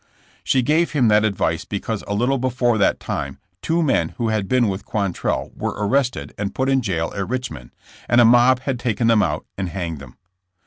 She gave him that advice because a little before that time two men who had been with Quantrell were arrested and put in jail at Richmond, and a mob had taken them out and hanged them.